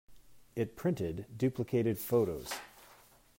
It printed duplicated photos.